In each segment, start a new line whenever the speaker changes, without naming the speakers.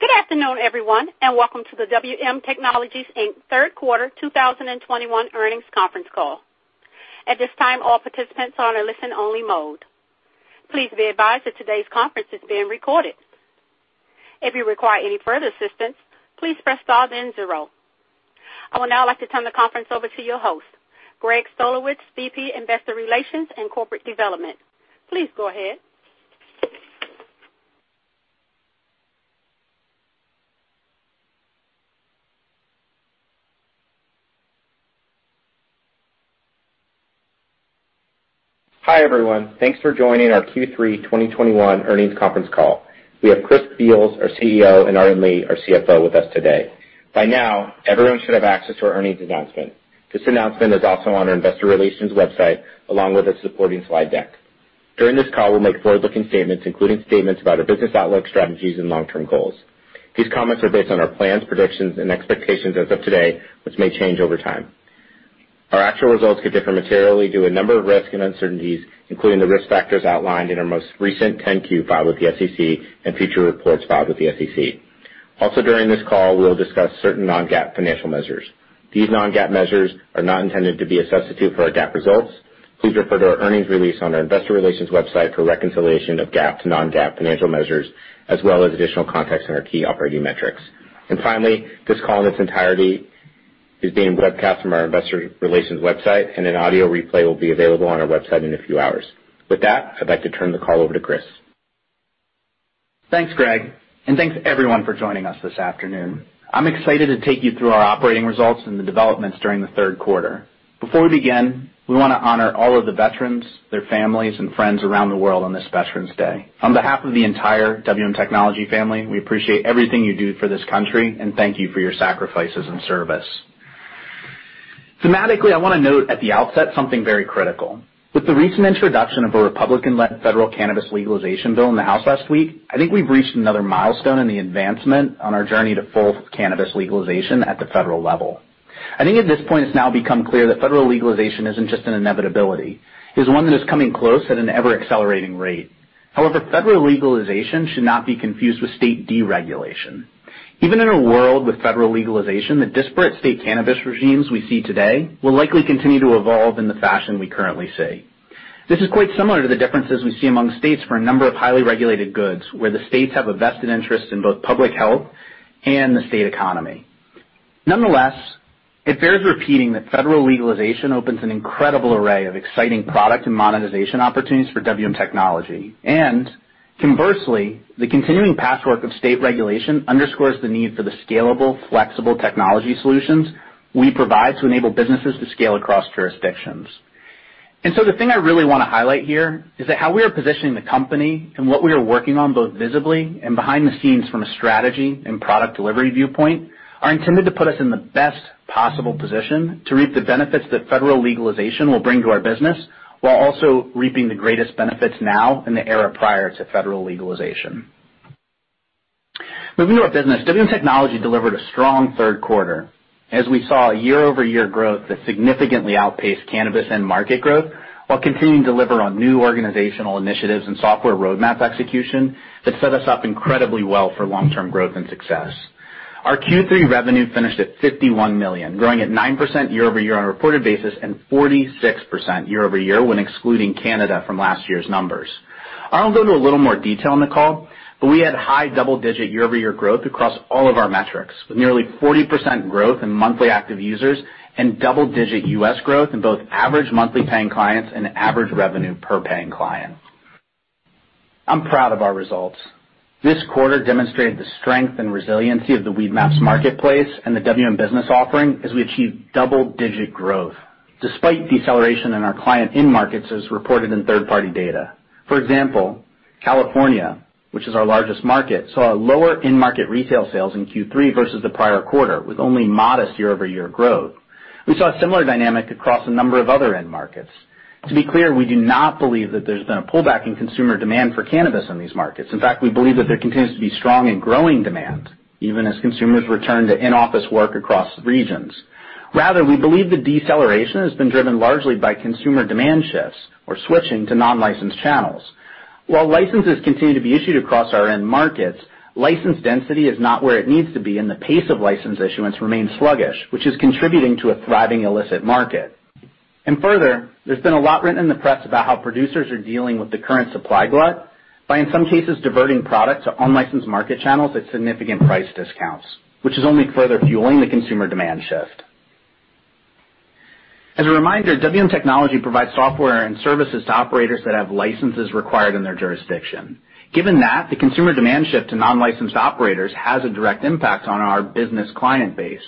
Good afternoon, everyone, and welcome to the WM Technology, Inc. third quarter 2021 earnings conference call. At this time, all participants are on a listen-only mode. Please be advised that today's conference is being recorded. If you require any further assistance, please press star then zero. I would now like to turn the conference over to your host, Greg Stolowitz, VP, Investor Relations and Corporate Development. Please go ahead.
Hi, everyone. Thanks for joining our Q3 2021 earnings conference call. We have Chris Beals, our CEO, and Arden Lee, our CFO, with us today. By now, everyone should have access to our earnings announcement. This announcement is also on our investor relations website, along with a supporting slide deck. During this call, we'll make forward-looking statements, including statements about our business outlook, strategies, and long-term goals. These comments are based on our plans, predictions, and expectations as of today, which may change over time. Our actual results could differ materially due to a number of risks and uncertainties, including the risk factors outlined in our most recent 10-Q filed with the SEC and future reports filed with the SEC. Also, during this call, we will discuss certain non-GAAP financial measures. These non-GAAP measures are not intended to be a substitute for our GAAP results. Please refer to our earnings release on our investor relations website for a reconciliation of GAAP to non-GAAP financial measures, as well as additional context on our key operating metrics. Finally, this call in its entirety is being webcast on our investor relations website, and an audio replay will be available on our website in a few hours. With that, I'd like to turn the call over to Chris.
Thanks, Greg, and thanks, everyone, for joining us this afternoon. I'm excited to take you through our operating results and the developments during the third quarter. Before we begin, we wanna honor all of the veterans, their families, and friends around the world on this Veterans Day. On behalf of the entire WM Technology family, we appreciate everything you do for this country, and thank you for your sacrifices and service. Thematically, I wanna note at the outset something very critical. With the recent introduction of a Republican-led federal cannabis legalization bill in the House last week, I think we've reached another milestone in the advancement on our journey to full cannabis legalization at the federal level. I think at this point it's now become clear that federal legalization isn't just an inevitability. It's one that is coming close at an ever-accelerating rate. However, federal legalization should not be confused with state deregulation. Even in a world with federal legalization, the disparate state cannabis regimes we see today will likely continue to evolve in the fashion we currently see. This is quite similar to the differences we see among states for a number of highly regulated goods, where the states have a vested interest in both public health and the state economy. Nonetheless, it bears repeating that federal legalization opens an incredible array of exciting product and monetization opportunities for WM Technology, and conversely, the continuing patchwork of state regulation underscores the need for the scalable, flexible technology solutions we provide to enable businesses to scale across jurisdictions. The thing I really wanna highlight here is that how we are positioning the company and what we are working on, both visibly and behind the scenes from a strategy and product delivery viewpoint, are intended to put us in the best possible position to reap the benefits that federal legalization will bring to our business while also reaping the greatest benefits now in the era prior to federal legalization. Moving to our business, WM Technology delivered a strong third quarter as we saw year-over-year growth that significantly outpaced cannabis end market growth while continuing to deliver on new organizational initiatives and software roadmap execution that set us up incredibly well for long-term growth and success. Our Q3 revenue finished at $51 million, growing at 9% year-over-year on a reported basis and 46% year-over-year when excluding Canada from last year's numbers. I'll go into a little more detail on the call, but we had high double-digit year-over-year growth across all of our metrics, with nearly 40% growth in monthly active users and double-digit U.S. growth in both average monthly paying clients and average revenue per paying client. I'm proud of our results. This quarter demonstrated the strength and resiliency of the Weedmaps marketplace and the WM Business offering as we achieved double-digit growth despite deceleration in our client end markets as reported in third-party data. For example, California, which is our largest market, saw lower end market retail sales in Q3 versus the prior quarter, with only modest year-over-year growth. We saw a similar dynamic across a number of other end markets. To be clear, we do not believe that there's been a pullback in consumer demand for cannabis in these markets. In fact, we believe that there continues to be strong and growing demand, even as consumers return to in-office work across regions. Rather, we believe the deceleration has been driven largely by consumer demand shifts or switching to non-licensed channels. While licenses continue to be issued across our end markets, license density is not where it needs to be, and the pace of license issuance remains sluggish, which is contributing to a thriving illicit market. Further, there's been a lot written in the press about how producers are dealing with the current supply glut by, in some cases, diverting product to unlicensed market channels at significant price discounts, which is only further fueling the consumer demand shift. As a reminder, WM Technology provides software and services to operators that have licenses required in their jurisdiction. Given that, the consumer demand shift to non-licensed operators has a direct impact on our business client base.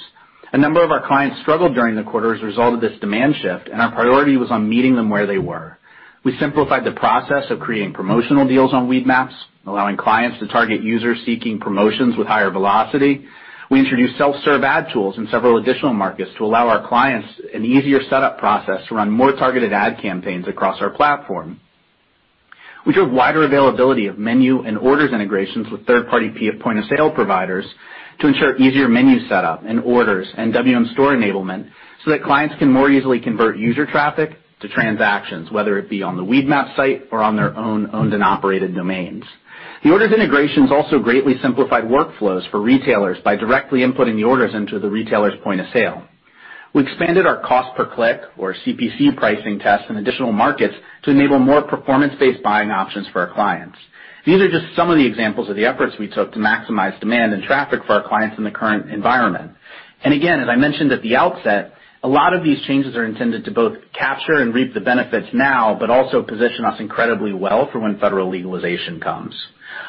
A number of our clients struggled during the quarter as a result of this demand shift, and our priority was on meeting them where they were. We simplified the process of creating promotional deals on Weedmaps, allowing clients to target users seeking promotions with higher velocity. We introduced self-serve ad tools in several additional markets to allow our clients an easier setup process to run more targeted ad campaigns across our platform. We drove wider availability of menu and orders integrations with third-party point-of-sale providers. To ensure easier menu setup and orders and WM Store enablement so that clients can more easily convert user traffic to transactions, whether it be on the Weedmaps site or on their own owned and operated domains. The orders integrations also greatly simplified workflows for retailers by directly inputting the orders into the retailer's point of sale. We expanded our cost per click or CPC pricing tests in additional markets to enable more performance-based buying options for our clients. These are just some of the examples of the efforts we took to maximize demand and traffic for our clients in the current environment. Again, as I mentioned at the outset, a lot of these changes are intended to both capture and reap the benefits now, but also position us incredibly well for when federal legalization comes.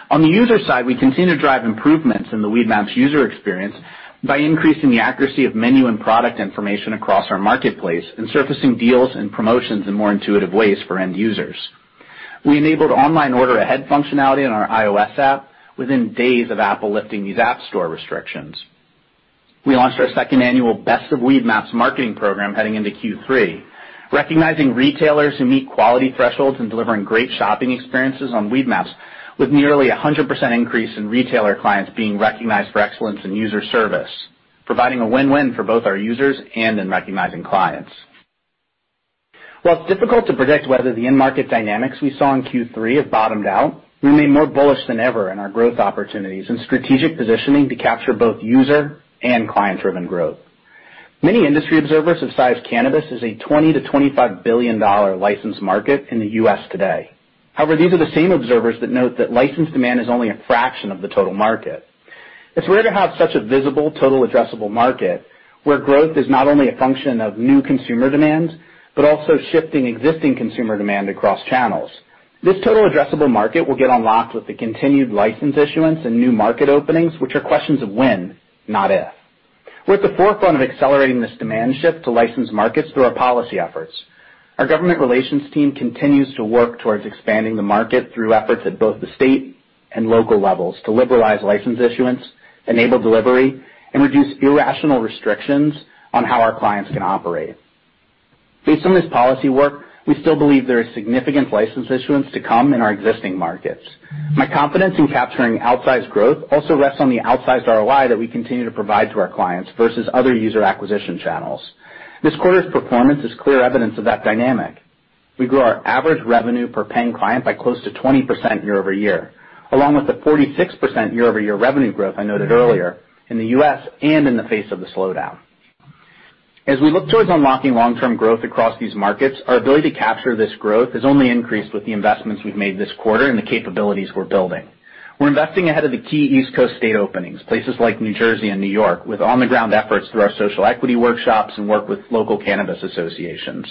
On the user side, we continue to drive improvements in the Weedmaps user experience by increasing the accuracy of menu and product information across our marketplace and surfacing deals and promotions in more intuitive ways for end users. We enabled online order ahead functionality on our iOS app within days of Apple lifting these App Store restrictions. We launched our second annual Best of Weedmaps marketing program heading into Q3, recognizing retailers who meet quality thresholds and delivering great shopping experiences on Weedmaps, with nearly 100% increase in retailer clients being recognized for excellence in user service, providing a win-win for both our users and in recognizing clients. While it's difficult to predict whether the end market dynamics we saw in Q3 have bottomed out, we remain more bullish than ever in our growth opportunities and strategic positioning to capture both user and client-driven growth. Many industry observers have sized cannabis as a $20 billion-$25 billion licensed market in the U.S. today. However, these are the same observers that note that licensed demand is only a fraction of the total market. It's rare to have such a visible total addressable market, where growth is not only a function of new consumer demand, but also shifting existing consumer demand across channels. This total addressable market will get unlocked with the continued license issuance and new market openings, which are questions of when, not if. We're at the forefront of accelerating this demand shift to licensed markets through our policy efforts. Our government relations team continues to work towards expanding the market through efforts at both the state and local levels to liberalize license issuance, enable delivery, and reduce irrational restrictions on how our clients can operate. Based on this policy work, we still believe there is significant license issuance to come in our existing markets. My confidence in capturing outsized growth also rests on the outsized ROI that we continue to provide to our clients versus other user acquisition channels. This quarter's performance is clear evidence of that dynamic. We grew our average revenue per paying client by close to 20% year-over-year, along with the 46% year-over-year revenue growth I noted earlier in the U.S. and in the face of the slowdown. As we look towards unlocking long-term growth across these markets, our ability to capture this growth has only increased with the investments we've made this quarter and the capabilities we're building. We're investing ahead of the key East Coast state openings, places like New Jersey and New York, with on-the-ground efforts through our social equity workshops and work with local cannabis associations.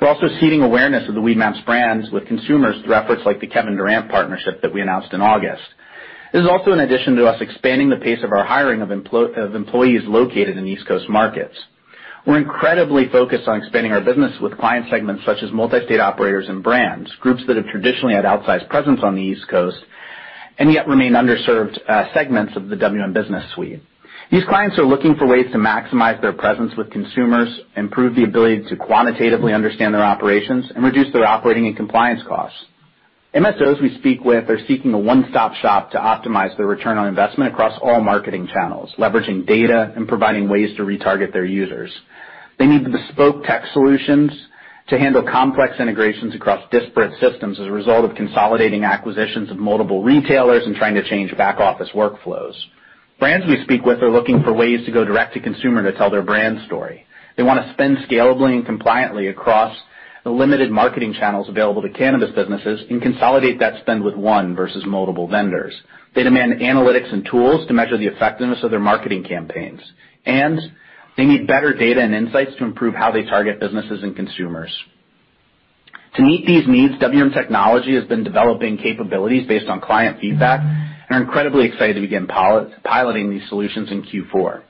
We're also seeding awareness of the Weedmaps brands with consumers through efforts like the Kevin Durant partnership that we announced in August. This is also an addition to us expanding the pace of our hiring of employees located in East Coast markets. We're incredibly focused on expanding our business with client segments such as Multi-State Operators and brands, groups that have traditionally had outsized presence on the East Coast and yet remain underserved, segments of the WM Business suite. These clients are looking for ways to maximize their presence with consumers, improve the ability to quantitatively understand their operations, and reduce their operating and compliance costs. MSOs we speak with are seeking a one-stop shop to optimize their return on investment across all marketing channels, leveraging data and providing ways to retarget their users. They need the bespoke tech solutions to handle complex integrations across disparate systems as a result of consolidating acquisitions of multiple retailers and trying to change back-office workflows. Brands we speak with are looking for ways to go direct-to-consumer to tell their brand story. They wanna spend scalably and compliantly across the limited marketing channels available to cannabis businesses and consolidate that spend with one versus multiple vendors. They demand analytics and tools to measure the effectiveness of their marketing campaigns, and they need better data and insights to improve how they target businesses and consumers. To meet these needs, WM Technology has been developing capabilities based on client feedback and are incredibly excited to begin piloting these solutions in Q4.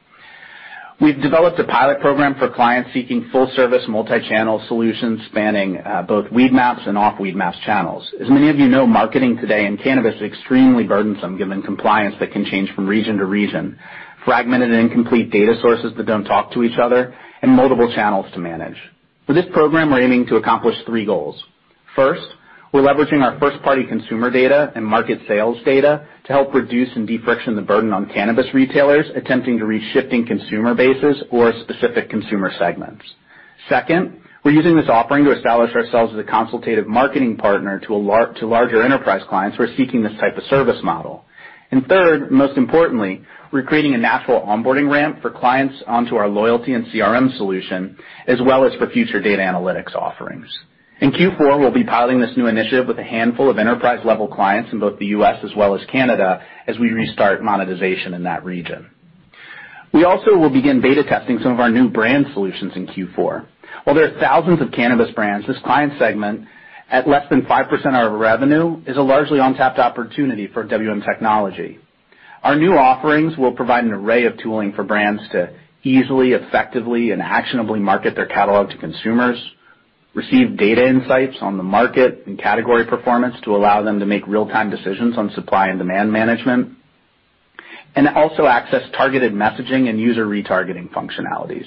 We've developed a pilot program for clients seeking full-service multi-channel solutions spanning both Weedmaps and off-Weedmaps channels. As many of you know, marketing today in cannabis is extremely burdensome given compliance that can change from region to region, fragmented and incomplete data sources that don't talk to each other, and multiple channels to manage. For this program, we're aiming to accomplish three goals. First, we're leveraging our first-party consumer data and market sales data to help reduce and de-friction the burden on cannabis retailers attempting to reach shifting consumer bases or specific consumer segments. Second, we're using this offering to establish ourselves as a consultative marketing partner to larger enterprise clients who are seeking this type of service model. Third, most importantly, we're creating a natural onboarding ramp for clients onto our loyalty and CRM solution, as well as for future data analytics offerings. In Q4, we'll be piloting this new initiative with a handful of enterprise-level clients in both the U.S. as well as Canada as we restart monetization in that region. We also will begin beta testing some of our new brand solutions in Q4. While there are thousands of cannabis brands, this client segment, at less than 5% of our revenue, is a largely untapped opportunity for WM Technology. Our new offerings will provide an array of tooling for brands to easily, effectively, and actionably market their catalog to consumers, receive data insights on the market and category performance to allow them to make real-time decisions on supply and demand management, and also access targeted messaging and user retargeting functionalities.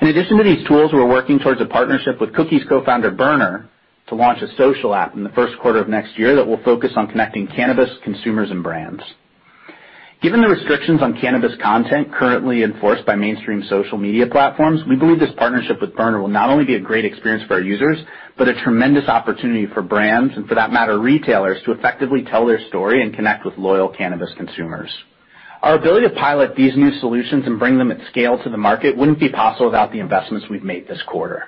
In addition to these tools, we're working towards a partnership with Cookies co-founder, Berner, to launch a social app in the first quarter of next year that will focus on connecting cannabis consumers and brands. Given the restrictions on cannabis content currently enforced by mainstream social media platforms, we believe this partnership with Berner will not only be a great experience for our users, but a tremendous opportunity for brands, and for that matter, retailers, to effectively tell their story and connect with loyal cannabis consumers. Our ability to pilot these new solutions and bring them at scale to the market wouldn't be possible without the investments we've made this quarter.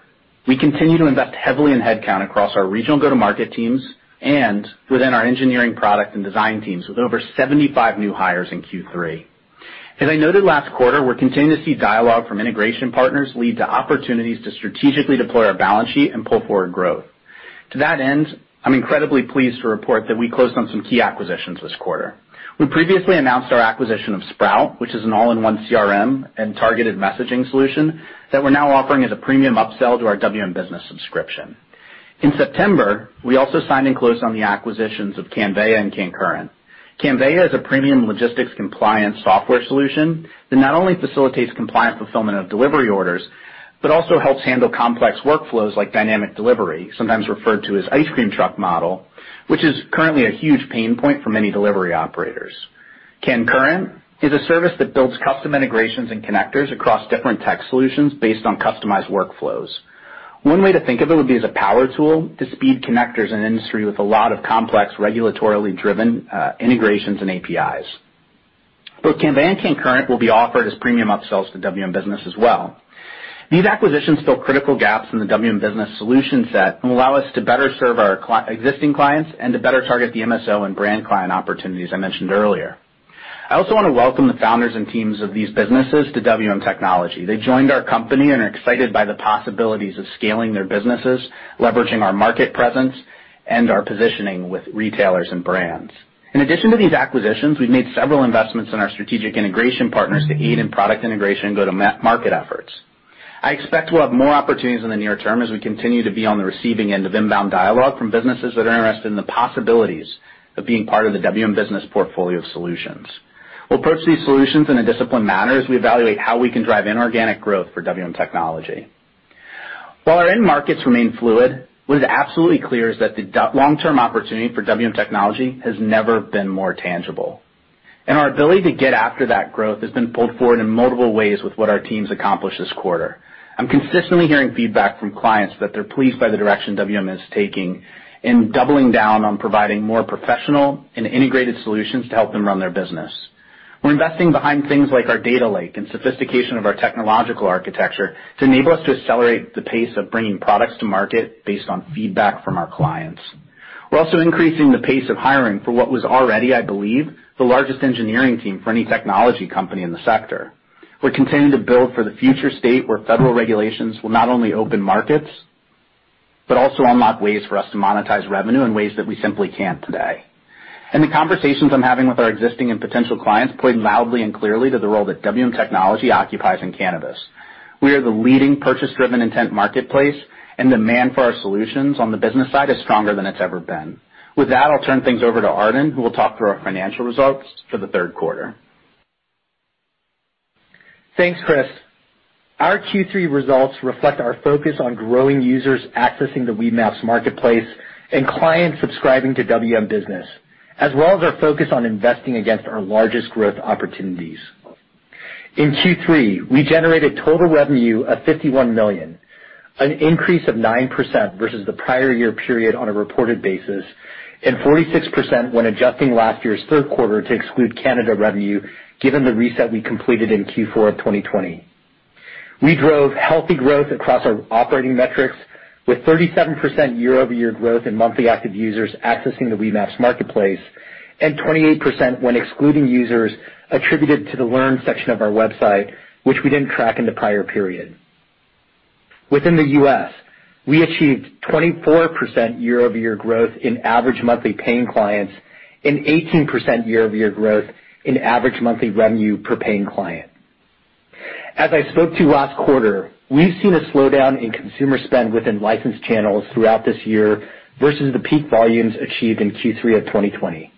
We continue to invest heavily in headcount across our regional go-to-market teams and within our engineering product and design teams, with over 75 new hires in Q3. As I noted last quarter, we're continuing to see dialogue from integration partners lead to opportunities to strategically deploy our balance sheet and pull forward growth. To that end, I'm incredibly pleased to report that we closed on some key acquisitions this quarter. We previously announced our acquisition of Sprout, which is an all-in-one CRM and targeted messaging solution that we're now offering as a premium upsell to our WM Business subscription. In September, we also signed and closed on the acquisitions of Cannveya and CannCurrent. Cannveya is a premium logistics compliance software solution that not only facilitates compliance fulfillment of delivery orders, but also helps handle complex workflows like dynamic delivery, sometimes referred to as ice cream truck model, which is currently a huge pain point for many delivery operators. CannCurrent is a service that builds custom integrations and connectors across different tech solutions based on customized workflows. One way to think of it would be as a power tool to speed connectors in an industry with a lot of complex, regulatorily-driven, integrations and APIs. Both Cannveya and CannCurrent will be offered as premium upsells to WM Business as well. These acquisitions fill critical gaps in the WM Business solution set and allow us to better serve our existing clients and to better target the MSO and brand client opportunities I mentioned earlier. I also wanna welcome the founders and teams of these businesses to WM Technology. They joined our company and are excited by the possibilities of scaling their businesses, leveraging our market presence, and our positioning with retailers and brands. In addition to these acquisitions, we've made several investments in our strategic integration partners to aid in product integration go-to-market efforts. I expect we'll have more opportunities in the near term as we continue to be on the receiving end of inbound dialogue from businesses that are interested in the possibilities of being part of the WM Business portfolio of solutions. We'll approach these solutions in a disciplined manner as we evaluate how we can drive inorganic growth for WM Technology. While our end markets remain fluid, what is absolutely clear is that the long-term opportunity for WM Technology has never been more tangible, and our ability to get after that growth has been pulled forward in multiple ways with what our teams accomplished this quarter. I'm consistently hearing feedback from clients that they're pleased by the direction WM is taking in doubling down on providing more professional and integrated solutions to help them run their business. We're investing behind things like our data lake and sophistication of our technological architecture to enable us to accelerate the pace of bringing products to market based on feedback from our clients. We're also increasing the pace of hiring for what was already, I believe, the largest engineering team for any technology company in the sector. We're continuing to build for the future state where federal regulations will not only open markets, but also unlock ways for us to monetize revenue in ways that we simply can't today. The conversations I'm having with our existing and potential clients point loudly and clearly to the role that WM Technology occupies in cannabis. We are the leading purchase-driven intent marketplace, and demand for our solutions on the business side is stronger than it's ever been. With that, I'll turn things over to Arden, who will talk through our financial results for the third quarter.
Thanks, Chris. Our Q3 results reflect our focus on growing users accessing the Weedmaps marketplace and clients subscribing to WM Business, as well as our focus on investing against our largest growth opportunities. In Q3, we generated total revenue of $51 million, an increase of 9% versus the prior year period on a reported basis, and 46% when adjusting last year's third quarter to exclude Canada revenue, given the reset we completed in Q4 of 2020. We drove healthy growth across our operating metrics with 37% year-over-year growth in monthly active users accessing the Weedmaps marketplace, and 28% when excluding users attributed to the learn section of our website, which we didn't track in the prior period. Within the U.S., we achieved 24% year-over-year growth in average monthly paying clients and 18% year-over-year growth in average monthly revenue per paying client. As I spoke to last quarter, we've seen a slowdown in consumer spend within licensed channels throughout this year versus the peak volumes achieved in Q3 of 2020.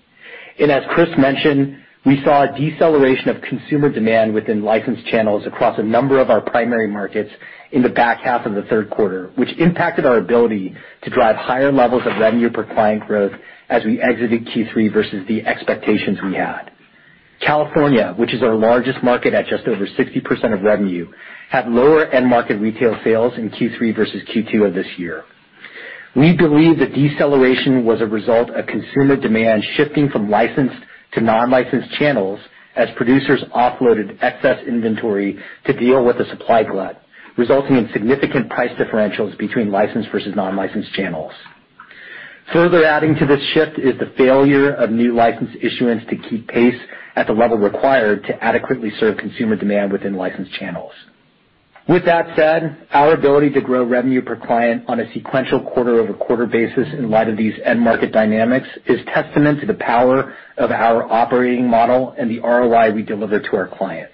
As Chris mentioned, we saw a deceleration of consumer demand within licensed channels across a number of our primary markets in the back half of the third quarter, which impacted our ability to drive higher levels of revenue per client growth as we exited Q3 versus the expectations we had. California, which is our largest market at just over 60% of revenue, had lower end-market retail sales in Q3 versus Q2 of this year. We believe the deceleration was a result of consumer demand shifting from licensed to non-licensed channels as producers offloaded excess inventory to deal with the supply glut, resulting in significant price differentials between licensed versus non-licensed channels. Further adding to this shift is the failure of new license issuance to keep pace at the level required to adequately serve consumer demand within licensed channels. With that said, our ability to grow revenue per client on a sequential quarter-over-quarter basis in light of these end market dynamics is testament to the power of our operating model and the ROI we deliver to our clients.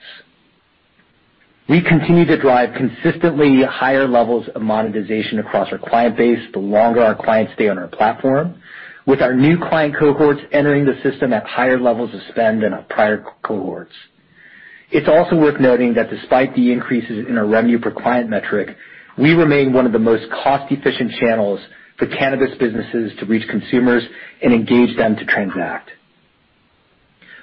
We continue to drive consistently higher levels of monetization across our client base the longer our clients stay on our platform, with our new client cohorts entering the system at higher levels of spend than our prior cohorts. It's also worth noting that despite the increases in our revenue per client metric, we remain one of the most cost-efficient channels for cannabis businesses to reach consumers and engage them to transact.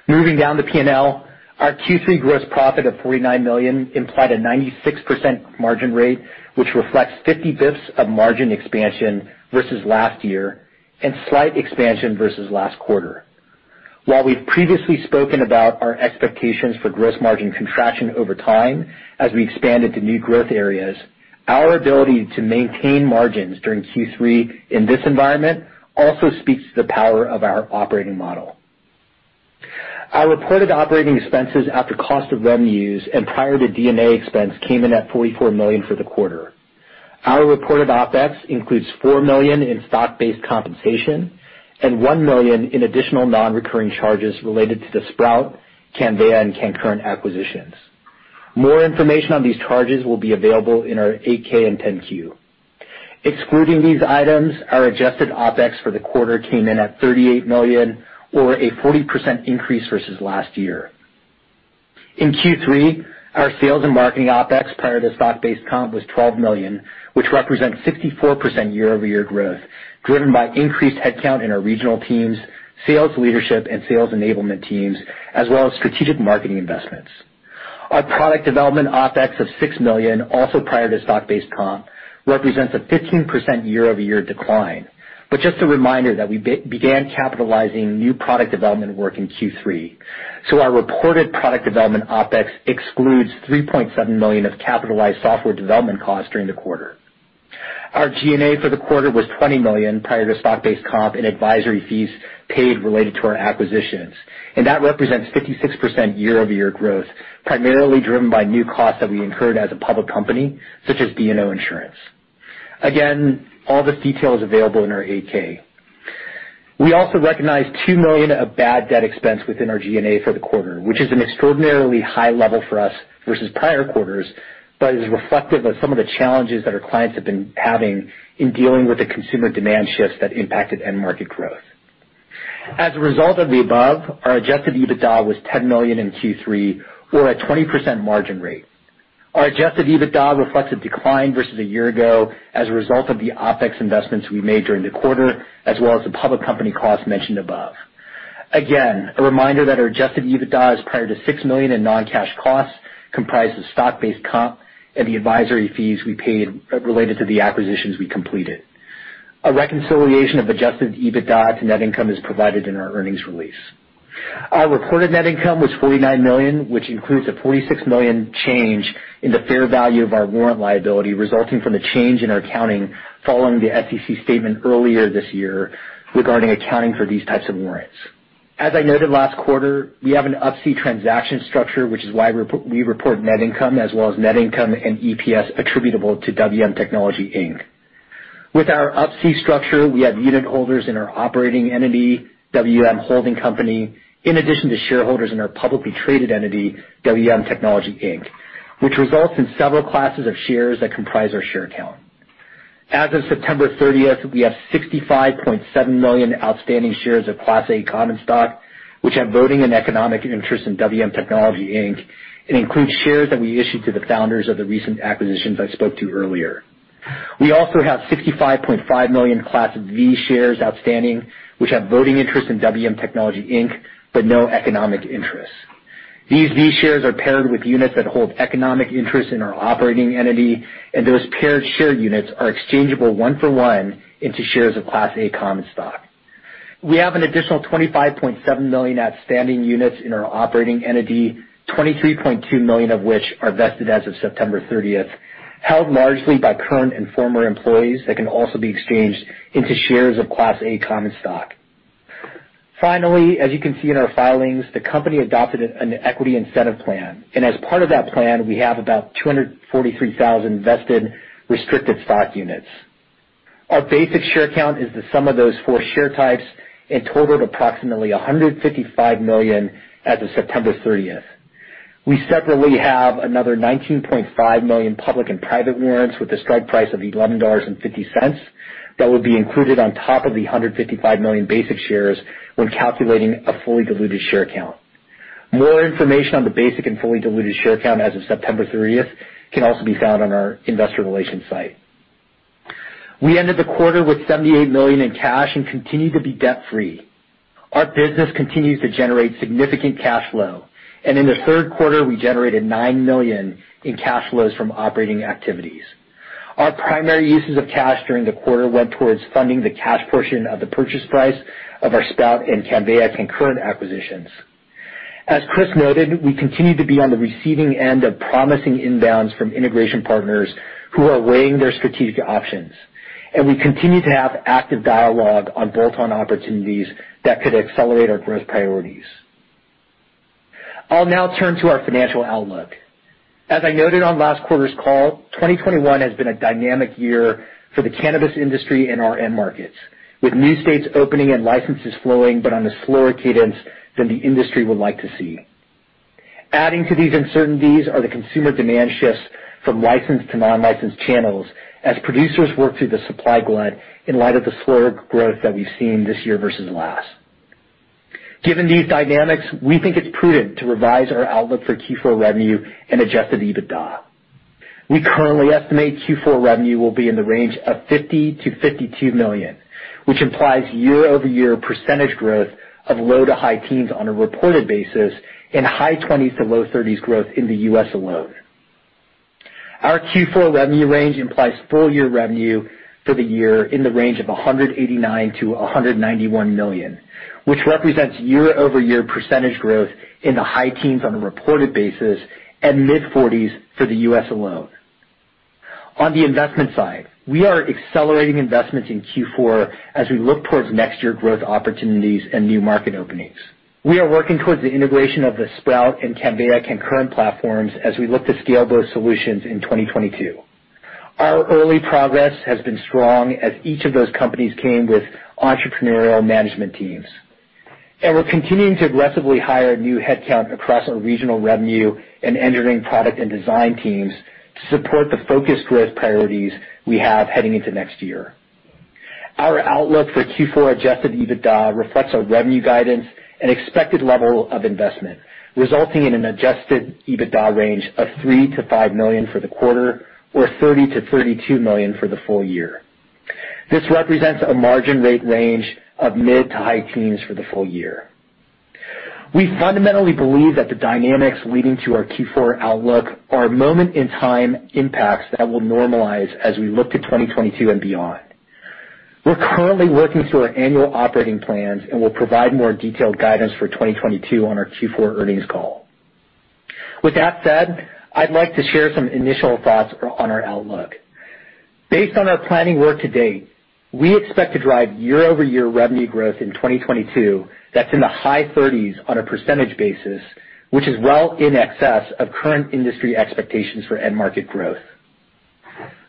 Moving down the P&L, our Q3 gross profit of $49 million implied a 96% margin rate, which reflects 50 basis points of margin expansion versus last year and slight expansion versus last quarter. While we've previously spoken about our expectations for gross margin contraction over time as we expand into new growth areas, our ability to maintain margins during Q3 in this environment also speaks to the power of our operating model. Our reported operating expenses after cost of revenues and prior to G&A expense came in at $44 million for the quarter. Our reported OpEx includes $4 million in stock-based compensation and $1 million in additional non-recurring charges related to the Sprout, Cannveya, and CannCurrent acquisitions. More information on these charges will be available in our 8-K and 10-Q. Excluding these items, our adjusted OpEx for the quarter came in at $38 million or a 40% increase versus last year. In Q3, our sales and marketing OpEx prior to stock-based comp was $12 million, which represents 64% year-over-year growth, driven by increased headcount in our regional teams, sales leadership and sales enablement teams, as well as strategic marketing investments. Our product development OpEx of $6 million, also prior to stock-based comp, represents a 15% year-over-year decline. Just a reminder that we began capitalizing new product development work in Q3. Our reported product development OpEx excludes $3.7 million of capitalized software development costs during the quarter. Our G&A for the quarter was $20 million prior to stock-based comp and advisory fees paid related to our acquisitions, and that represents 56% year-over-year growth, primarily driven by new costs that we incurred as a public company, such as D&O insurance. Again, all this detail is available in our 8-K. We also recognized $2 million of bad debt expense within our G&A for the quarter, which is an extraordinarily high level for us versus prior quarters, but is reflective of some of the challenges that our clients have been having in dealing with the consumer demand shifts that impacted end market growth. As a result of the above, our adjusted EBITDA was $10 million in Q3, or a 20% margin rate. Our adjusted EBITDA reflects a decline versus a year ago as a result of the OpEx investments we made during the quarter, as well as the public company costs mentioned above. Again, a reminder that our adjusted EBITDA is prior to $6 million in non-cash costs, comprised of stock-based comp and the advisory fees we paid related to the acquisitions we completed. A reconciliation of adjusted EBITDA to net income is provided in our earnings release. Our reported net income was $49 million, which includes a $46 million change in the fair value of our warrant liability, resulting from the change in our accounting following the SEC statement earlier this year regarding accounting for these types of warrants. As I noted last quarter, we have an Up-C transaction structure, which is why we report net income as well as net income and EPS attributable to WM Technology, Inc. With our Up-C structure, we have unit holders in our operating entity, WM Holding Company, in addition to shareholders in our publicly traded entity, WM Technology, Inc., which results in several classes of shares that comprise our share count. As of September 30, we have 65.7 million outstanding shares of Class A common stock, which have voting and economic interest in WM Technology, Inc. It includes shares that we issued to the founders of the recent acquisitions I spoke to earlier. We also have 65.5 million Class V shares outstanding, which have voting interest in WM Technology, Inc., but no economic interest. These V shares are paired with units that hold economic interest in our operating entity, and those paired share units are exchangeable 1-for-1 into shares of Class A common stock. We have an additional 25.7 million outstanding units in our operating entity, 23.2 million of which are vested as of September 30, held largely by current and former employees that can also be exchanged into shares of Class A common stock. Finally, as you can see in our filings, the company adopted an equity incentive plan, and as part of that plan, we have about 243,000 vested restricted stock units. Our basic share count is the sum of those four share types and totaled approximately 155 million as of September 30. We separately have another 19.5 million public and private warrants with a strike price of $11.50 that would be included on top of the 155 million basic shares when calculating a fully diluted share count. More information on the basic and fully diluted share count as of September 30th can also be found on our investor relations site. We ended the quarter with $78 million in cash and continue to be debt-free. Our business continues to generate significant cash flow, and in the third quarter, we generated $9 million in cash flows from operating activities. Our primary uses of cash during the quarter went towards funding the cash portion of the purchase price of our Sprout and Cannveya and CannCurrent acquisitions. As Chris noted, we continue to be on the receiving end of promising inbounds from integration partners who are weighing their strategic options, and we continue to have active dialogue on bolt-on opportunities that could accelerate our growth priorities. I'll now turn to our financial outlook. As I noted on last quarter's call, 2021 has been a dynamic year for the cannabis industry and our end markets, with new states opening and licenses flowing, but on a slower cadence than the industry would like to see. Adding to these uncertainties are the consumer demand shifts from licensed to non-licensed channels as producers work through the supply glut in light of the slower growth that we've seen this year versus last. Given these dynamics, we think it's prudent to revise our outlook for Q4 revenue and adjusted EBITDA. We currently estimate Q4 revenue will be in the range of $50 million-$52 million, which implies year-over-year low-teens to high-teens percentage growth on a reported basis and high-20s to low-30s percentage growth in the U.S. alone. Our Q4 revenue range implies full-year revenue for the year in the range of $189 million-$191 million, which represents year-over-year growth in the high-teens percentage on a reported basis and mid-40s percentage for the US alone. On the investment side, we are accelerating investments in Q4 as we look towards next year growth opportunities and new market openings. We are working towards the integration of the Sprout and Cannveya concurrent platforms as we look to scale both solutions in 2022. Our early progress has been strong as each of those companies came with entrepreneurial management teams. We're continuing to aggressively hire new headcount across our regional revenue and engineering product and design teams to support the focused growth priorities we have heading into next year. Our outlook for Q4 adjusted EBITDA reflects our revenue guidance and expected level of investment, resulting in an adjusted EBITDA range of $3 million-$5 million for the quarter or $30 million-$32 million for the full year. This represents a margin rate range of mid- to high teens percentage for the full year. We fundamentally believe that the dynamics leading to our Q4 outlook are moment in time impacts that will normalize as we look to 2022 and beyond. We're currently working through our annual operating plans, and we'll provide more detailed guidance for 2022 on our Q4 earnings call. With that said, I'd like to share some initial thoughts on our outlook. Based on our planning work to date, we expect to drive year-over-year revenue growth in 2022 that's in the high-30s on percentage basis, which is well in excess of current industry expectations for end market growth.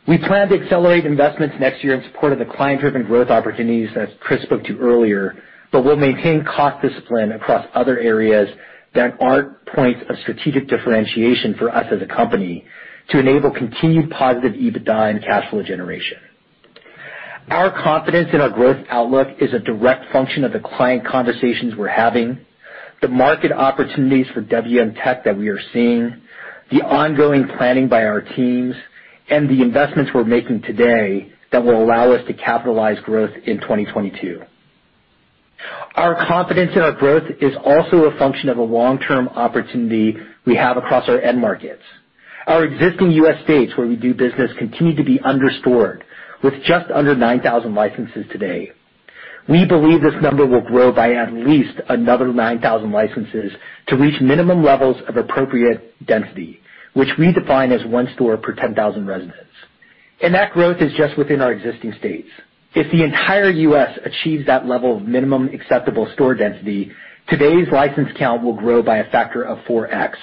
We plan to accelerate investments next year in support of the client-driven growth opportunities that Chris spoke to earlier, but we'll maintain cost discipline across other areas that aren't points of strategic differentiation for us as a company to enable continued positive EBITDA and cash flow generation. Our confidence in our growth outlook is a direct function of the client conversations we're having, the market opportunities for WM Tech that we are seeing, the ongoing planning by our teams, and the investments we're making today that will allow us to capitalize growth in 2022. Our confidence in our growth is also a function of a long-term opportunity we have across our end markets. Our existing U.S. states where we do business continue to be under-stored, with just under 9,000 licenses today. We believe this number will grow by at least another 9,000 licenses to reach minimum levels of appropriate density, which we define as one store per 10,000 residents. That growth is just within our existing states. If the entire U.S. achieves that level of minimum acceptable store density, today's license count will grow by a factor of 4x.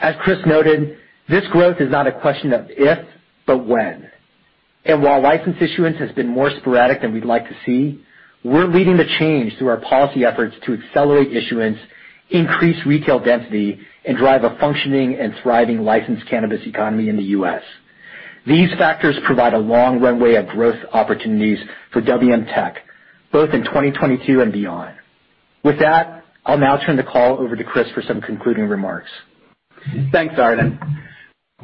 As Chris noted, this growth is not a question of if, but when. While license issuance has been more sporadic than we'd like to see, we're leading the change through our policy efforts to accelerate issuance, increase retail density, and drive a functioning and thriving licensed cannabis economy in the U.S. These factors provide a long runway of growth opportunities for WM Tech, both in 2022 and beyond. With that, I'll now turn the call over to Chris for some concluding remarks.
Thanks, Arden.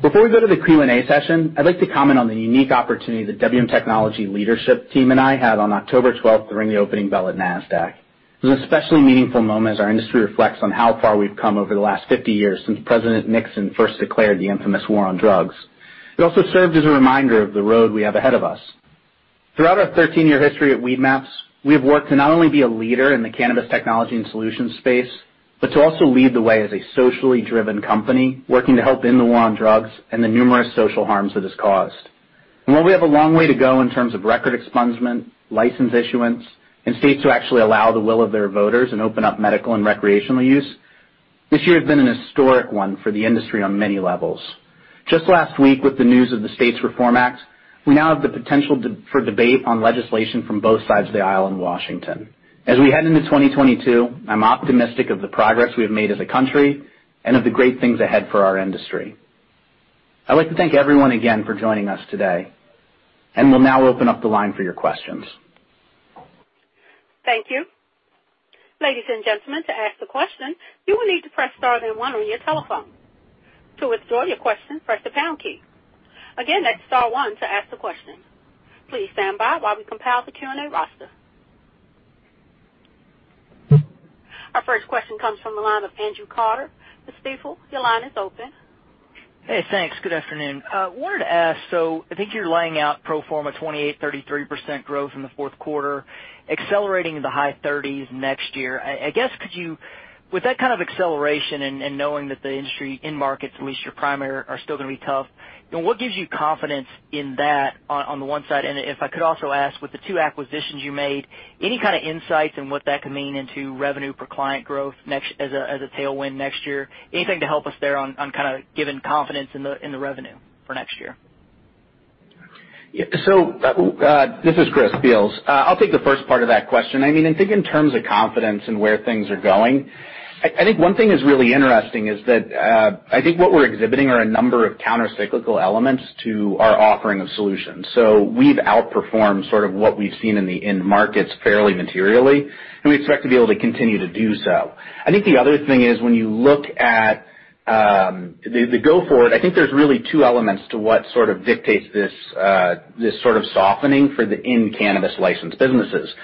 Before we go to the Q&A session, I'd like to comment on the unique opportunity the WM Technology leadership team and I had on October 12th to ring the opening bell at Nasdaq. It was an especially meaningful moment as our industry reflects on how far we've come over the last 50 years since President Nixon first declared the infamous war on drugs. It also served as a reminder of the road we have ahead of us. Throughout our 13-year history at Weedmaps, we have worked to not only be a leader in the cannabis technology and solutions space, but to also lead the way as a socially driven company working to help end the war on drugs and the numerous social harms it has caused. While we have a long way to go in terms of record expungement, license issuance, and states who actually allow the will of their voters and open up medical and recreational use, this year has been an historic one for the industry on many levels. Just last week, with the news of the States Reform Act, we now have the potential for debate on legislation from both sides of the aisle in Washington. As we head into 2022, I'm optimistic of the progress we have made as a country and of the great things ahead for our industry. I'd like to thank everyone again for joining us today, and we'll now open up the line for your questions.
Our first question comes from the line of Andrew Carter with Stifel. Andrew Carter, your line is open.
Hey, thanks. Good afternoon. Wanted to ask, so I think you're laying out pro forma 28%-33% growth in the fourth quarter, accelerating in the high-30s percentages next year. I guess could you with that kind of acceleration and knowing that the industry end markets, at least your primary, are still gonna be tough, you know, what gives you confidence in that on the one side? And if I could also ask, with the two acquisitions you made, any kind of insights in what that could mean into revenue per client growth next year as a tailwind next year? Anything to help us there on kinda giving confidence in the revenue for next year?
This is Chris Beals. I'll take the first part of that question. I mean, I think in terms of confidence in where things are going, I think one thing is really interesting is that I think what we're exhibiting are a number of countercyclical elements to our offering of solutions. We've outperformed sort of what we've seen in the end markets fairly materially, and we expect to be able to continue to do so. I think the other thing is when you look at the go forward, I think there's really two elements to what sort of dictates this sort of softening for the in cannabis licensed businesses.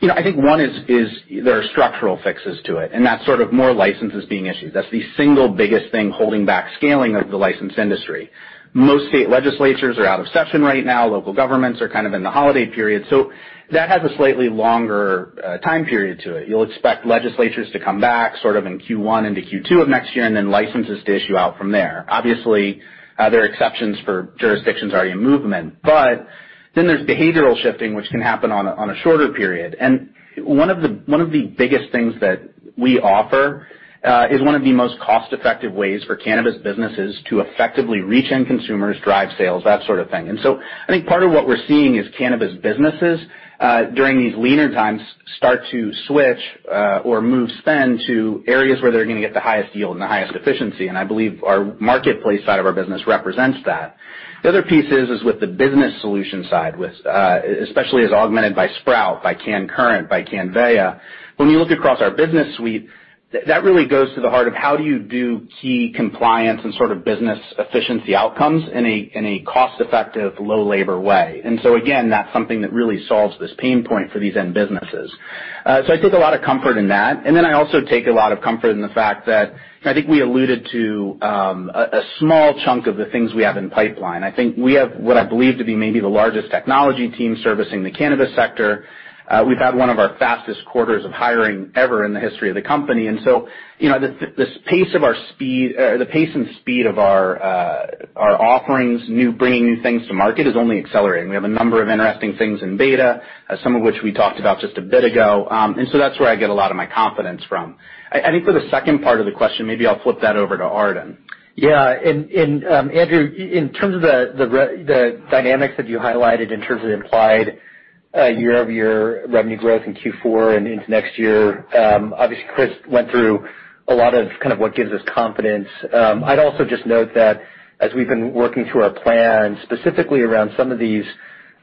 You know, I think one is there are structural fixes to it, and that's sort of more licenses being issued. That's the single biggest thing holding back scaling of the licensed industry. Most state legislatures are out of session right now. Local governments are kind of in the holiday period, so that has a slightly longer time period to it. You'll expect legislatures to come back sort of in Q1 into Q2 of next year and then licenses to issue out from there. Obviously, there are exceptions for jurisdictions already in movement, but then there's behavioral shifting, which can happen on a shorter period. One of the biggest things that we offer is one of the most cost-effective ways for cannabis businesses to effectively reach end consumers, drive sales, that sort of thing. I think part of what we're seeing is cannabis businesses, during these leaner times start to switch, or move spend to areas where they're gonna get the highest yield and the highest efficiency, and I believe our marketplace side of our business represents that. The other piece is with the business solution side, with, especially as augmented by Sprout, by CannCurrent, by Cannveya. When you look across our business suite, that really goes to the heart of how do you do key compliance and sort of business efficiency outcomes in a, in a cost-effective, low labor way. I take a lot of comfort in that. I also take a lot of comfort in the fact that I think we alluded to a small chunk of the things we have in pipeline. I think we have what I believe to be maybe the largest technology team servicing the cannabis sector. We've had one of our fastest quarters of hiring ever in the history of the company. You know, the pace and speed of our offerings, bringing new things to market is only accelerating. We have a number of interesting things in beta, some of which we talked about just a bit ago. That's where I get a lot of my confidence from. I think for the second part of the question, maybe I'll flip that over to Arden.
Yeah. Andrew, in terms of the dynamics that you highlighted in terms of the implied year-over-year revenue growth in Q4 and into next year, obviously, Chris went through a lot of kind of what gives us confidence. I'd also just note that as we've been working through our plan, specifically around some of these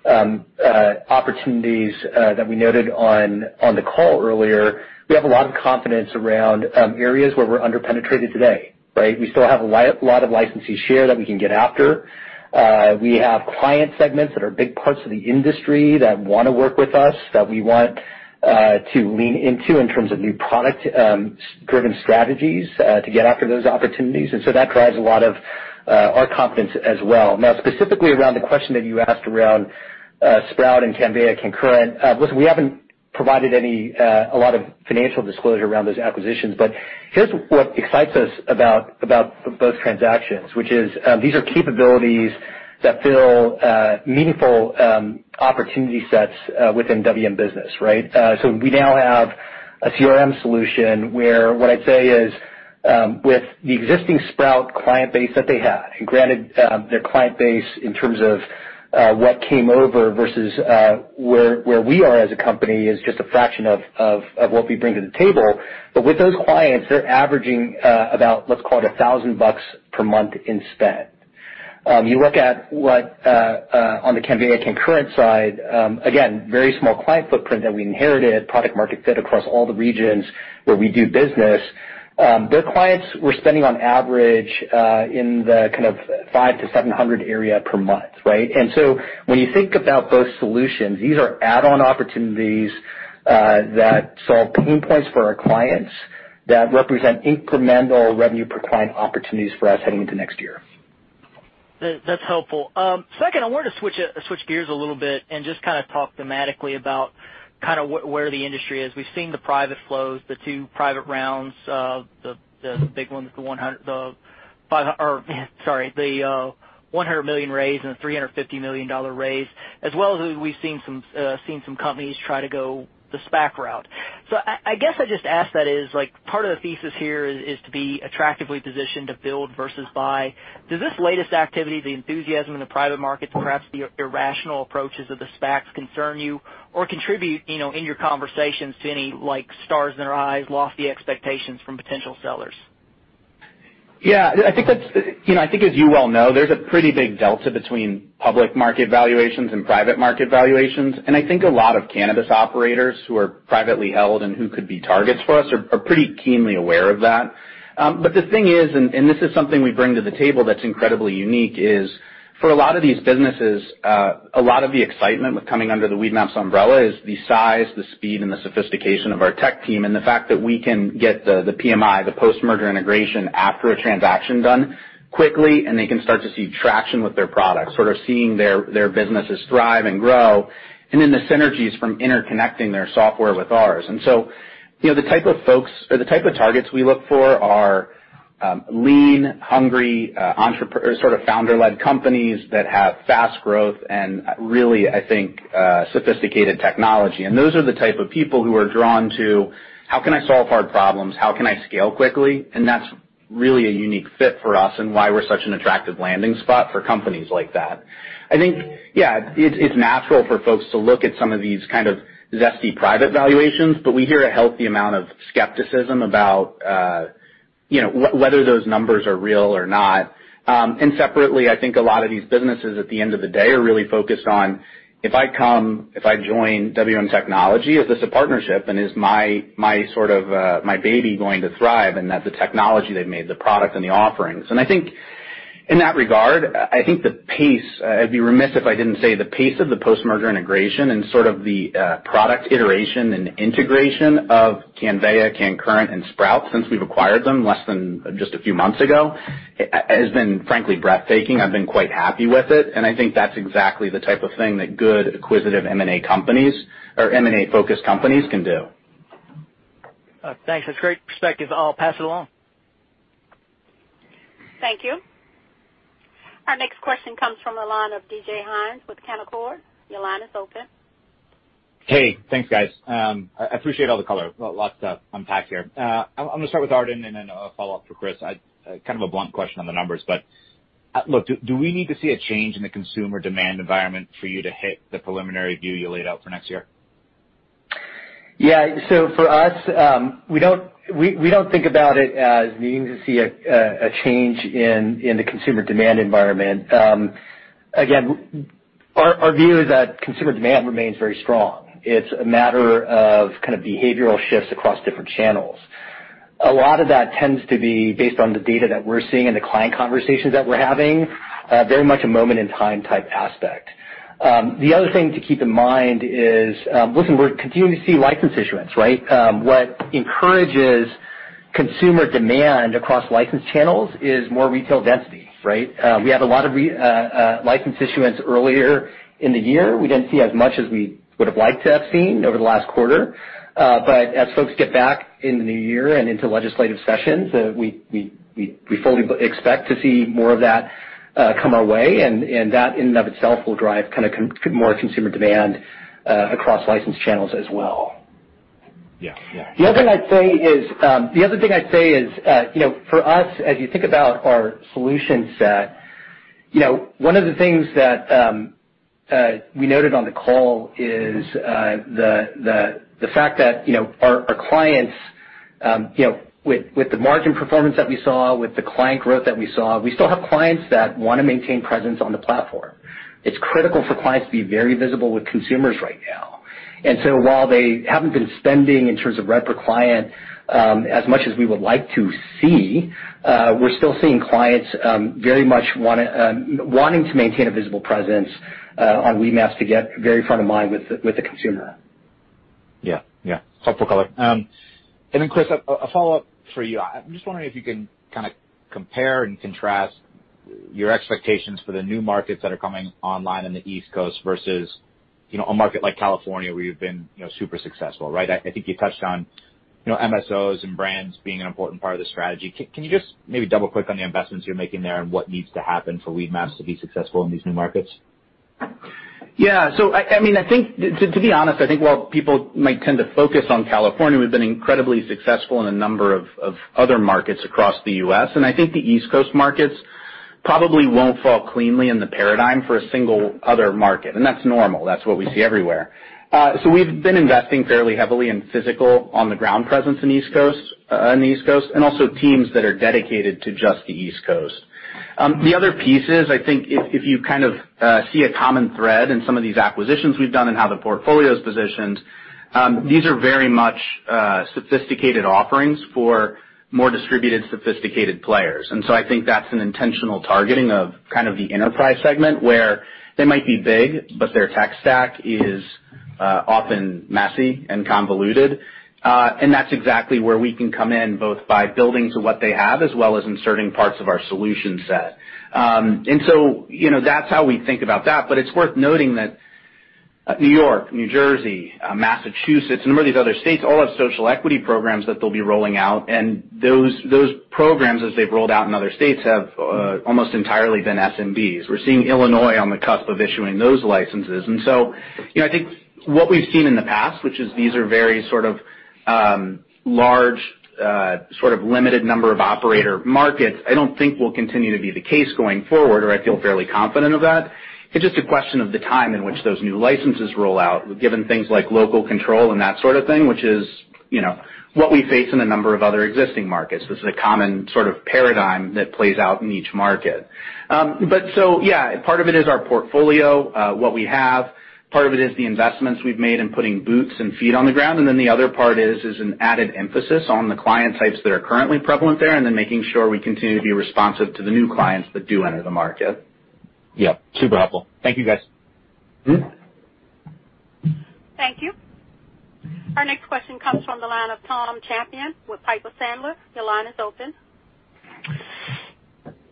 opportunities that we noted on the call earlier, we have a lot of confidence around areas where we're under-penetrated today, right? We still have a lot of licensee share that we can get after. We have client segments that are big parts of the industry that wanna work with us, that we want to lean into in terms of new product driven strategies to get after those opportunities. That drives a lot of our confidence as well. Now, specifically around the question that you asked around Sprout and Cannveya, CannCurrent. Listen, we haven't provided a lot of financial disclosure around those acquisitions, but here's what excites us about both transactions, which is these are capabilities that fill meaningful opportunity sets within WM Business, right? We now have a CRM solution where what I'd say is with the existing Sprout client base that they had, and granted, their client base in terms of what came over versus where we are as a company is just a fraction of what we bring to the table. With those clients, they're averaging about let's call it $1,000 per month in spend. You look at what on the Cannveya, CannCurrent side, again, very small client footprint that we inherited, product market fit across all the regions where we do business. Their clients were spending on average in the kind of $500-$700 area per month, right? When you think about both solutions, these are add-on opportunities that solve pain points for our clients that represent incremental revenue per client opportunities for us heading into next year.
That, that's helpful. Second, I wanted to switch gears a little bit and just kinda talk thematically about where the industry is. We've seen the private flows, the two private rounds, the big ones, the $100 million raise and the $350 million raise, as well as we've seen some companies try to go the SPAC route. I guess, like, part of the thesis here is to be attractively positioned to build versus buy. Does this latest activity, the enthusiasm in the private markets, perhaps the irrational approaches of the SPACs concern you or contribute, you know, in your conversations to any, like, stars in their eyes, lofty expectations from potential sellers?
Yeah. I think that's, you know, I think as you well know, there's a pretty big delta between public market valuations and private market valuations, and I think a lot of cannabis operators who are privately held and who could be targets for us are pretty keenly aware of that. The thing is, and this is something we bring to the table that's incredibly unique, is for a lot of these businesses, a lot of the excitement with coming under the Weedmaps umbrella is the size, the speed, and the sophistication of our tech team, and the fact that we can get the PMI, the post-merger integration after a transaction done quickly, and they can start to see traction with their products, sort of seeing their businesses thrive and grow, and then the synergies from interconnecting their software with ours. So you know, the type of folks or the type of targets we look for are lean, hungry, sort of founder-led companies that have fast growth and really, I think, sophisticated technology. Those are the type of people who are drawn to, "How can I solve hard problems? How can I scale quickly?" That's really a unique fit for us and why we're such an attractive landing spot for companies like that. I think, yeah, it's natural for folks to look at some of these kind of zesty private valuations, but we hear a healthy amount of skepticism about, you know, whether those numbers are real or not. Separately, I think a lot of these businesses, at the end of the day, are really focused on if I come, if I join WM Technology, is this a partnership, and is my sort of baby going to thrive, and that the technology they've made, the product and the offerings. I think in that regard, I'd be remiss if I didn't say the pace of the post-merger integration and sort of the product iteration and integration of Cannveya, CannCurrent and Sprout since we've acquired them less than just a few months ago, has been, frankly, breathtaking. I've been quite happy with it, and I think that's exactly the type of thing that good acquisitive M&A companies or M&A-focused companies can do.
Thanks. That's great perspective. I'll pass it along.
Thank you. Our next question comes from the line of DJ Hynes with Canaccord. Your line is open.
Hey, thanks, guys. I appreciate all the color. Lots to unpack here. I'm gonna start with Arden and then a follow-up for Chris. Kind of a blunt question on the numbers, but look, do we need to see a change in the consumer demand environment for you to hit the preliminary view you laid out for next year?
Yeah. For us, we don't think about it as needing to see a change in the consumer demand environment. Again, our view is that consumer demand remains very strong. It's a matter of kind of behavioral shifts across different channels. A lot of that tends to be based on the data that we're seeing in the client conversations that we're having, very much a moment in time type aspect. The other thing to keep in mind is, listen, we're continuing to see license issuance, right? What encourages consumer demand across licensed channels is more retail density, right? We had a lot of license issuance earlier in the year. We didn't see as much as we would've liked to have seen over the last quarter. As folks get back in the new year and into legislative sessions, we fully expect to see more of that come our way, and that in and of itself will drive more consumer demand across licensed channels as well.
Yeah. Yeah.
The other thing I'd say is, you know, for us, as you think about our solution set, you know, one of the things that we noted on the call is the fact that, you know, our clients, you know, with the margin performance that we saw, with the client growth that we saw, we still have clients that wanna maintain presence on the platform. It's critical for clients to be very visible with consumers right now. While they haven't been spending in terms of rev per client as much as we would like to see, we're still seeing clients very much wanting to maintain a visible presence on Weedmaps to get very front of mind with the consumer.
Yeah. Yeah. Helpful color. Chris, a follow-up for you. I'm just wondering if you can kinda compare and contrast your expectations for the new markets that are coming online in the East Coast versus, you know, a market like California, where you've been, you know, super successful, right? I think you touched on, you know, MSOs and brands being an important part of the strategy. Can you just maybe double-click on the investments you're making there and what needs to happen for Weedmaps to be successful in these new markets?
Yeah. I mean, to be honest, I think while people might tend to focus on California, we've been incredibly successful in a number of other markets across the U.S. I think the East Coast markets probably won't fall cleanly in the paradigm for a single other market, and that's normal. That's what we see everywhere. We've been investing fairly heavily in physical on the ground presence in the East Coast, and also teams that are dedicated to just the East Coast. The other piece is, I think if you kind of see a common thread in some of these acquisitions we've done and how the portfolio's positioned, these are very much sophisticated offerings for more distributed, sophisticated players. I think that's an intentional targeting of kind of the enterprise segment where they might be big, but their tech stack is often messy and convoluted. That's exactly where we can come in, both by building to what they have as well as inserting parts of our solution set. You know, that's how we think about that. It's worth noting that New York, New Jersey, Massachusetts, a number of these other states all have social equity programs that they'll be rolling out. Those programs, as they've rolled out in other states, have almost entirely been SMBs. We're seeing Illinois on the cusp of issuing those licenses. You know, I think what we've seen in the past, which is these are very sort of large sort of limited number of operator markets, I don't think will continue to be the case going forward, or I feel fairly confident of that. It's just a question of the time in which those new licenses roll out, given things like local control and that sort of thing, which is, you know, what we face in a number of other existing markets. This is a common sort of paradigm that plays out in each market. Yeah, part of it is our portfolio, what we have. Part of it is the investments we've made in putting boots and feet on the ground. The other part is an added emphasis on the client types that are currently prevalent there and making sure we continue to be responsive to the new clients that do enter the market.
Yeah, super helpful. Thank you, guys.
Mm-hmm.
Thank you. Our next question comes from the line of Tom Champion with Piper Sandler. Your line is open.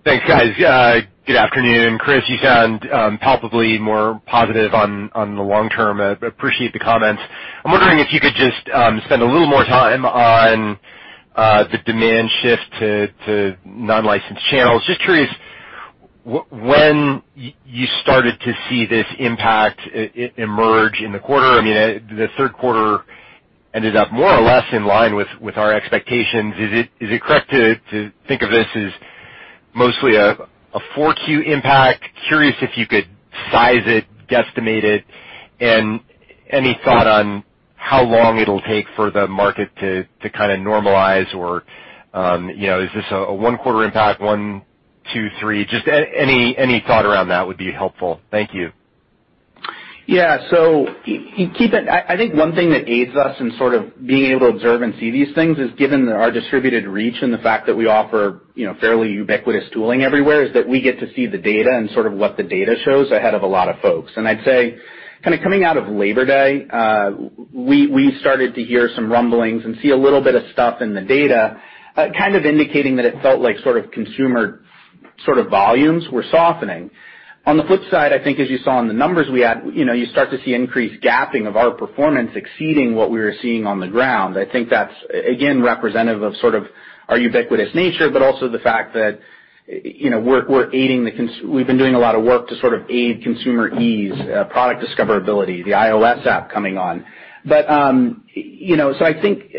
Thanks, guys. Good afternoon. Chris, you sound palpably more positive on the long term. I appreciate the comments. I'm wondering if you could just spend a little more time on the demand shift to non-licensed channels. Just curious when you started to see this impact emerge in the quarter. I mean, the third quarter ended up more or less in line with our expectations. Is it correct to think of this as mostly a 4Q impact? Curious if you could size it, guesstimate it, and any thought on how long it'll take for the market to kinda normalize or you know, is this a one quarter impact, one, two, three? Just any thought around that would be helpful. Thank you.
I think one thing that aids us in sort of being able to observe and see these things is given our distributed reach and the fact that we offer, you know, fairly ubiquitous tooling everywhere, is that we get to see the data and sort of what the data shows ahead of a lot of folks. I'd say kinda coming out of Labor Day, we started to hear some rumblings and see a little bit of stuff in the data, kind of indicating that it felt like sort of consumer sort of volumes were softening. On the flip side, I think as you saw in the numbers we had, you know, you start to see increased gapping of our performance exceeding what we were seeing on the ground. I think that's again representative of sort of our ubiquitous nature, but also the fact that you know we've been doing a lot of work to sort of aid consumer ease, product discoverability, the iOS app coming on. You know, I think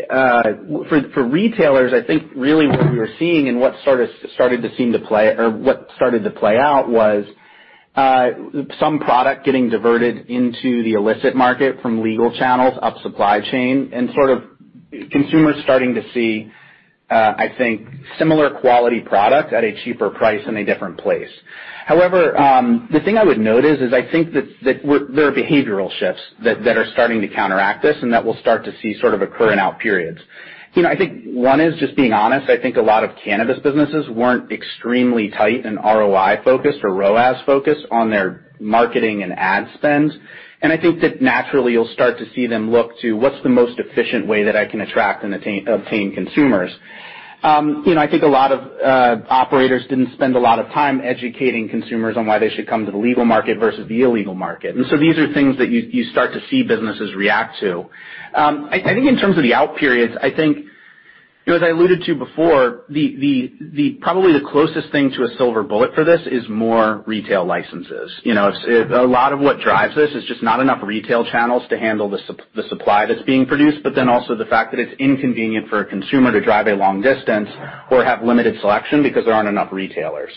for retailers, I think really what we were seeing and what started to play out was some product getting diverted into the illicit market from legal channels up supply chain, and sort of consumers starting to see I think similar quality product at a cheaper price in a different place. However, the thing I would note is I think that there are behavioral shifts that are starting to counteract this and that we'll start to see sort of a current out periods. You know, I think one is just being honest. I think a lot of cannabis businesses weren't extremely tight and ROI-focused or ROAS-focused on their marketing and ad spend, and I think that naturally you'll start to see them look to what's the most efficient way that I can attract and obtain consumers. You know, I think a lot of operators didn't spend a lot of time educating consumers on why they should come to the legal market versus the illegal market. These are things that you start to see businesses react to. I think in terms of the out periods, I think, you know, as I alluded to before, probably the closest thing to a silver bullet for this is more retail licenses. You know, a lot of what drives this is just not enough retail channels to handle the supply that's being produced, but then also the fact that it's inconvenient for a consumer to drive a long distance or have limited selection because there aren't enough retailers.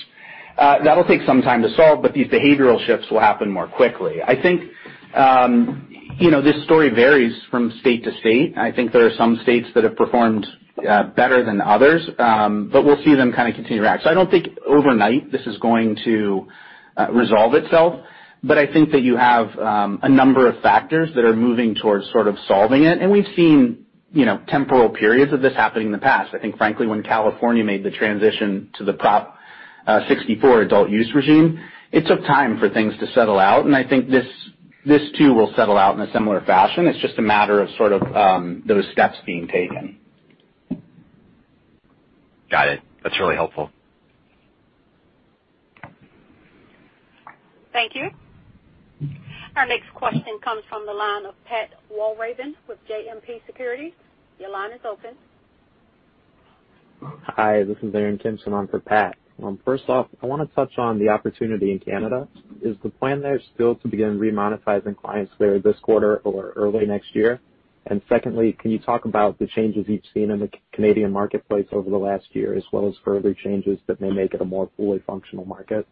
That'll take some time to solve, but these behavioral shifts will happen more quickly. I think, you know, this story varies from state to state. I think there are some states that have performed better than others, but we'll see them kinda continue to react. I don't think overnight this is going to resolve itself, but I think that you have a number of factors that are moving towards sort of solving it, and we've seen, you know, temporal periods of this happening in the past. I think, frankly, when California made the transition to the Prop 64 Adult Use regime, it took time for things to settle out, and I think this too will settle out in a similar fashion. It's just a matter of sort of those steps being taken.
Got it. That's really helpful.
Thank you. Our next question comes from the line of Pat Walravens with JMP Securities. Your line is open.
Hi, this is Aaron Kimson, standing in for Pat. First off, I wanna touch on the opportunity in Canada. Is the plan there still to begin remonetizing clients there this quarter or early next year? Secondly, can you talk about the changes you've seen in the Canadian marketplace over the last year, as well as further changes that may make it a more fully functional market?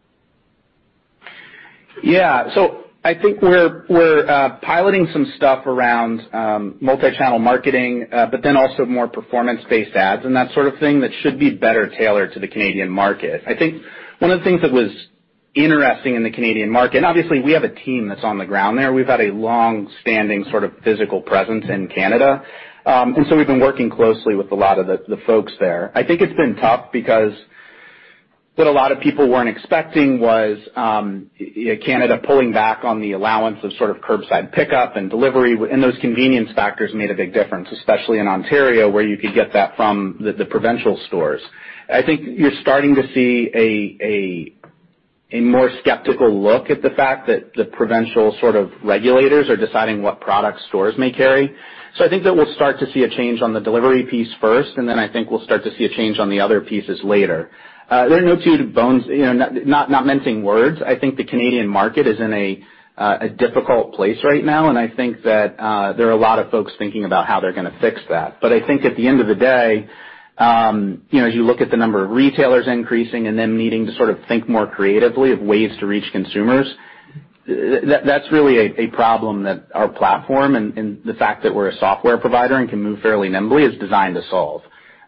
Yeah. I think we're piloting some stuff around multi-channel marketing, but then also more performance-based ads and that sort of thing that should be better tailored to the Canadian market. I think one of the things that was interesting in the Canadian market, and obviously we have a team that's on the ground there. We've had a long-standing sort of physical presence in Canada. We've been working closely with a lot of the folks there. I think it's been tough because what a lot of people weren't expecting was Health Canada pulling back on the allowance of sort of curbside pickup and delivery, and those convenience factors made a big difference, especially in Ontario, where you could get that from the provincial stores. I think you're starting to see a more skeptical look at the fact that the provincial sort of regulators are deciding what product stores may carry. I think that we'll start to see a change on the delivery piece first, and then I think we'll start to see a change on the other pieces later. Make no bones about it, you know, not mincing words. I think the Canadian market is in a difficult place right now, and I think that there are a lot of folks thinking about how they're gonna fix that. I think at the end of the day, you know, as you look at the number of retailers increasing and them needing to sort of think more creatively of ways to reach consumers, that's really a problem that our platform and the fact that we're a software provider and can move fairly nimbly is designed to solve.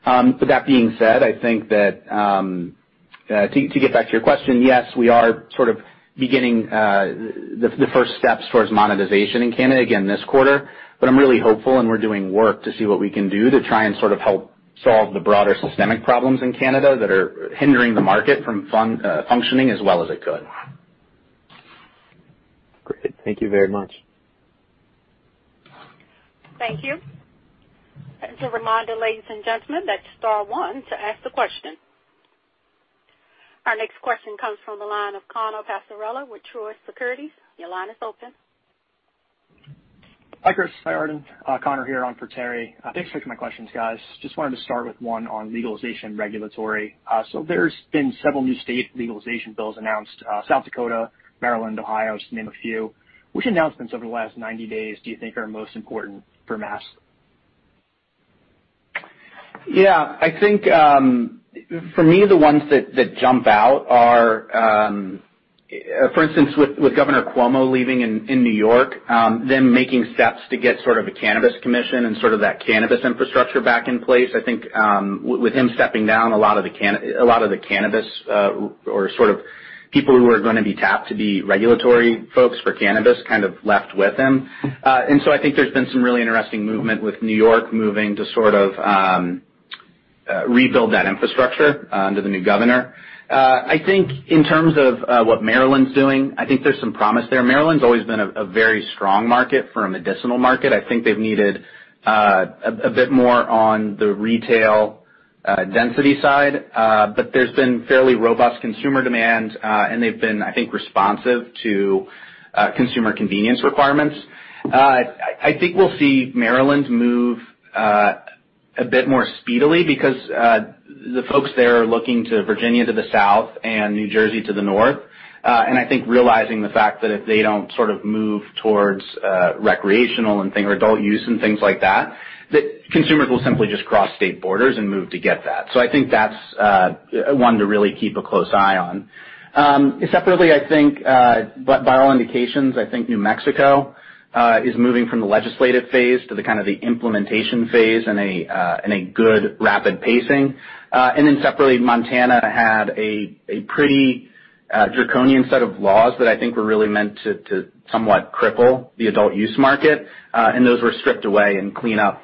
That being said, I think that to get back to your question, yes, we are sort of beginning the first steps towards monetization in Canada again this quarter. I'm really hopeful, and we're doing work to see what we can do to try and sort of help solve the broader systemic problems in Canada that are hindering the market from functioning as well as it could.
Great. Thank you very much.
Thank you. Just a reminder, ladies and gentlemen, that's star one to ask the question. Our next question comes from the line of Connor Passarella with Truist Securities. Your line is open.
Hi, Chris. Hi, Arden. Connor here on for Terry. Thanks for taking my questions, guys. Just wanted to start with one on legalization regulatory. There's been several new state legalization bills announced, South Dakota, Maryland, Ohio, just to name a few. Which announcements over the last 90 days do you think are most important for MAPS?
Yeah, I think, for me, the ones that jump out are, for instance, with Governor Cuomo leaving in New York, them making steps to get sort of a cannabis commission and sort of that cannabis infrastructure back in place. I think, with him stepping down a lot of the cannabis, or sort of people who are gonna be tapped to be regulatory folks for cannabis kind of left with him. I think there's been some really interesting movement with New York moving to sort of, rebuild that infrastructure, under the new governor. I think in terms of, what Maryland's doing, I think there's some promise there. Maryland's always been a very strong market for a medicinal market. I think they've needed a bit more on the retail density side. There's been fairly robust consumer demand, and they've been, I think, responsive to consumer convenience requirements. I think we'll see Maryland move a bit more speedily because the folks there are looking to Virginia to the south and New Jersey to the north. I think realizing the fact that if they don't sort of move towards recreational and thing or adult use and things like that consumers will simply just cross state borders and move to get that. I think that's one to really keep a close eye on. Separately, I think by all indications, I think New Mexico is moving from the legislative phase to the kind of the implementation phase in a good rapid pacing. Then separately, Montana had a pretty draconian set of laws that I think were really meant to somewhat cripple the adult use market. And those were stripped away in clean up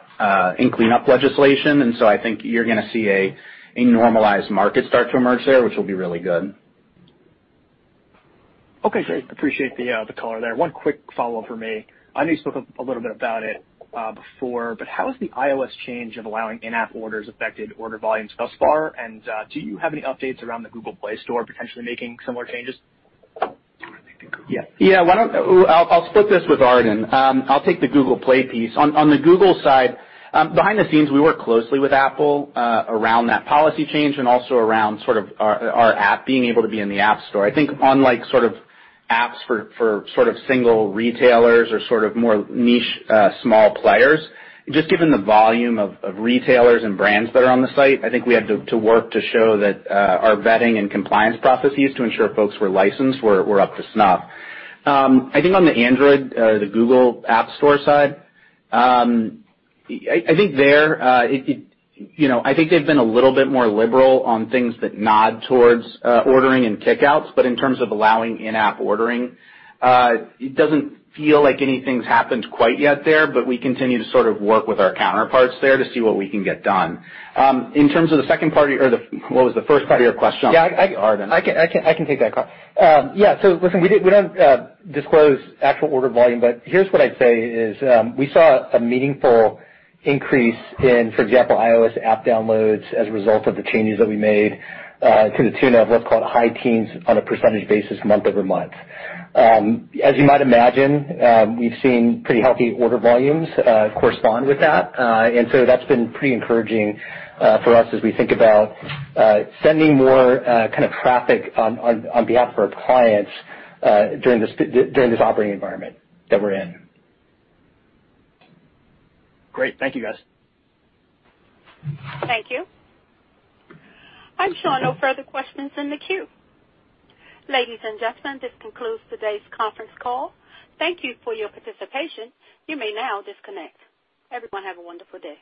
legislation. I think you're gonna see a normalized market start to emerge there, which will be really good.
Okay, great. Appreciate the color there. One quick follow-up from me. I know you spoke a little bit about it before, but how has the iOS change of allowing in-app orders affected order volumes thus far? And, do you have any updates around the Google Play Store potentially making similar changes?
Yeah. Why don't I split this with Arden. I'll take the Google Play piece. On the Google side, behind the scenes, we work closely with Apple around that policy change and also around sort of our app being able to be in the App Store. I think on like sort of apps for sort of single retailers or sort of more niche small players, just given the volume of retailers and brands that are on the site, I think we have to work to show that our vetting and compliance processes to ensure folks were licensed were up to snuff. I think on the Android, the Google Play Store side, they've been a little bit more liberal on things that nod towards ordering and checkouts, but in terms of allowing in-app ordering, it doesn't feel like anything's happened quite yet there, but we continue to sort of work with our counterparts there to see what we can get done. What was the first part of your question, Arden?
Yeah, I can take that, Con. Listen, we don't disclose actual order volume, but here's what I'd say is, we saw a meaningful increase in, for example, iOS app downloads as a result of the changes that we made, to the tune of what's called high teens on a percentage basis, month-over-month. As you might imagine, we've seen pretty healthy order volumes correspond with that. That's been pretty encouraging for us as we think about sending more kind of traffic on behalf of our clients during this operating environment that we're in.
Great. Thank you, guys.
Thank you. I'm showing no further questions in the queue. Ladies and gentlemen, this concludes today's conference call. Thank you for your participation. You may now disconnect. Everyone have a wonderful day.